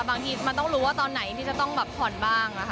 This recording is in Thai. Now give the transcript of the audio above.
บางทีมันต้องรู้ว่าตอนไหนที่จะต้องแบบผ่อนบ้างนะคะ